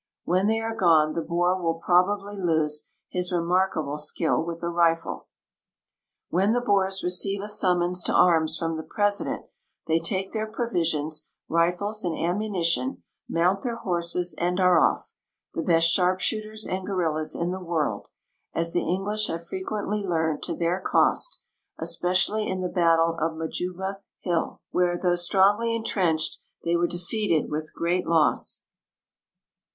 Mdien they are gone the Boer will probably lose his remarkable skill with the rifle. When the Boers receive a summons to arms from the president they take their provisions, rifles, and ammunition, mount their horses, and are off, the best sharpshooters and guerillas in the world, as the English have frequently learned to their cost, especially in the battle of Majuba hill, where, though strongly entrenched, they were defeated with great lo.ss.